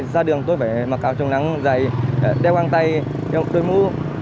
ra đường tôi phải mặc áo trồng nắng dày đeo quang tay tôi mũ